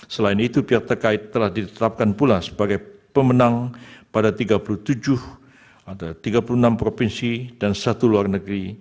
selain itu pihak terkait telah ditetapkan pula sebagai pemenang pada tiga puluh enam provinsi dan satu luar negeri